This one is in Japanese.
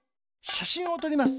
しゃしんをとります。